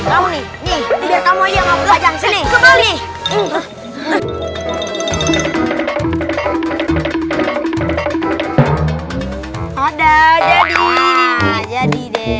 ada jadi jadi